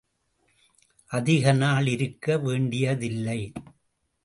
அதிகநாள் இருக்க வேண்டியதில்லை.